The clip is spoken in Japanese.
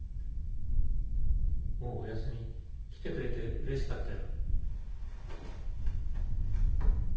もうおやすみ来てくれて嬉しかったよ。